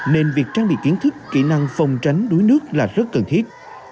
nên việc trang bị kiến thức kỹ năng phòng tránh đuối nước là rất cần thiết